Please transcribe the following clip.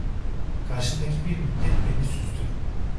Karşımdaki bir müddet beni süzdü.